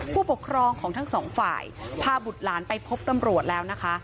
ผู้ปกครองของทั้งสองฝ่ายพาบุตรหลานไปพบตำรวจแล้วนะคะ